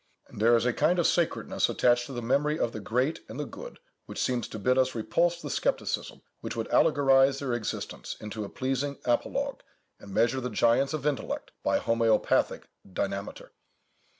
And there is a kind of sacredness attached to the memory of the great and the good, which seems to bid us repulse the scepticism which would allegorize their existence into a pleasing apologue, and measure the giants of intellect by an homeopathic dynameter.